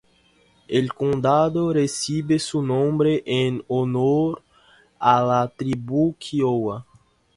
El condado recibe su nombre en honor a la tribu Kiowa.